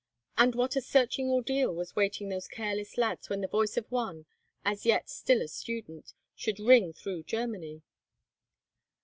And what a searching ordeal was awaiting those careless lads when the voice of one, as yet still a student, should ring through Germany!